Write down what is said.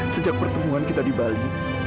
sejak pertemuan kita di bali